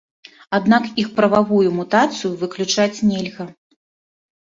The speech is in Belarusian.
Аднак іх прававую мутацыю выключаць нельга.